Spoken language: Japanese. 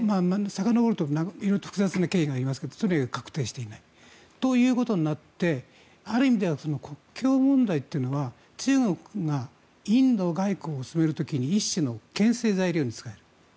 さかのぼると色々複雑な経緯がありますが確定していない。ということになってある意味では国境問題というのは中国がインド外交を進める時に一種のけん制材料に使える。